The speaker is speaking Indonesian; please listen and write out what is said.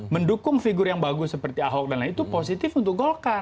mendukung figur yang bagus seperti ahok dan lain itu positif untuk golkar